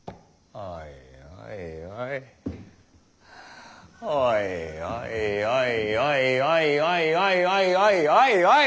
おいおいおいおいおいおいおいおいおい。